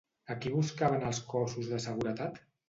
A qui buscaven els cossos de seguretat?